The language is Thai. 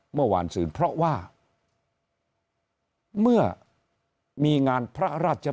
เมื่อวานศืนเพราะว่าเมื่อมีงานพระราช